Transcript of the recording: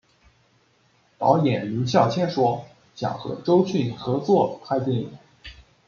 导演林孝谦说想和周迅合作拍电影。